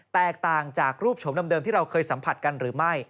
แตกต่างจากรูปโฉมเดิมที่เราเคยสัมผัสกันหรือไม่